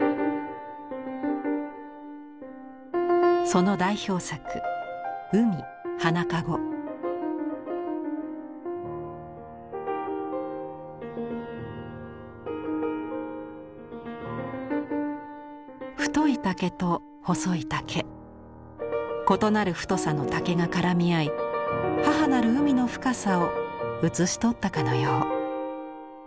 その代表作太い竹と細い竹異なる太さの竹が絡み合い母なる海の深さを写し取ったかのよう。